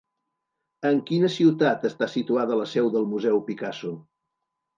En quina ciutat està situada la seu del Museu Picasso?